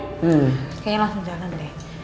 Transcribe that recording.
kayaknya langsung jalan deh